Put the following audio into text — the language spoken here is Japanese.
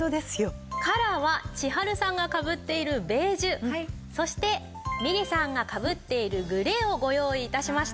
カラーは千春さんがかぶっているベージュそしてみれさんがかぶっているグレーをご用意致しました。